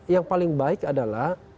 yang paling baik adalah